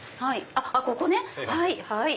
あっここね。